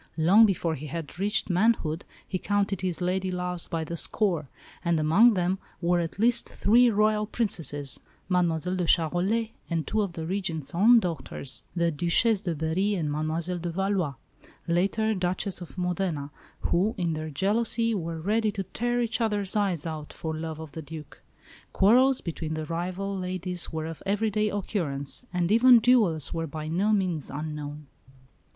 Long before he had reached manhood he counted his lady loves by the score; and among them were at least three Royal Princesses, Mademoiselle de Charolais, and two of the Regent's own daughters, the Duchesse de Berry and Mademoiselle de Valois, later Duchess of Modena, who, in their jealousy, were ready to "tear each other's eyes out" for love of the Duc. Quarrels between the rival ladies were of everyday occurrence; and even duels were by no means unknown.